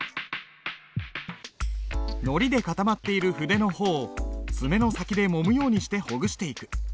のりで固まっている筆の穂を爪の先でもむようにしてほぐしていく。